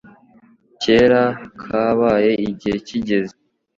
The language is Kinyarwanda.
Kera kabaye igihe kigeze